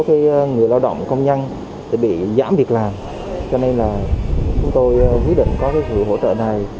một số người lao động công nhân sẽ bị giảm việc làm cho nên là chúng tôi quyết định có cái sự hỗ trợ này